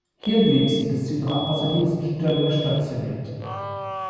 Hier blieb sie bis zu ihrer Außerdienststellung stationiert.